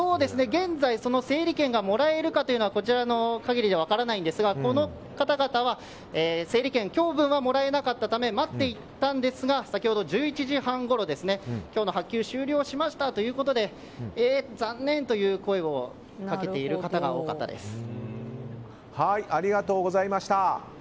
現在、整理券がもらえるかというのはこちらの限りでは分からないんですがこの方々は整理券、今日分はもらえなかったため待っていたんですが先ほど１１時半ごろ今日の発給は終了しましたということで残念という声をかけている方がありがとうございました。